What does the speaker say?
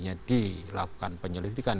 jadi lakukan penyelidikan